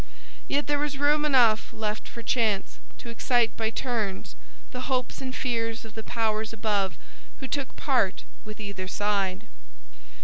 Yet there was room enough left for chance to excite by turns the hopes and fears of the powers above who took part with either side.